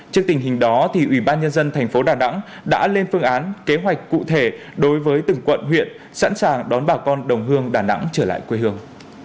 trước tình hình đó thì ủy ban nhân dân tp hcm đã lên phương án kế hoạch cụ thể đối với từng quận huyện sẵn sàng đón bà con đồng hương đà nẵng trở lại quê hương